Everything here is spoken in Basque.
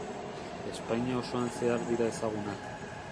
Espainia osoan zehar dira ezagunak.